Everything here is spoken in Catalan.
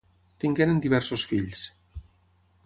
Tingueren diversos fills: